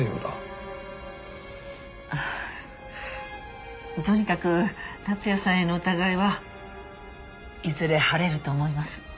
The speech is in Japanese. あとにかく竜也さんへの疑いはいずれ晴れると思います。